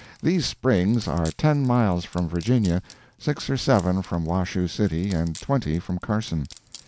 These springs are ten miles from Virginia, six or seven from Washoe City and twenty from Carson.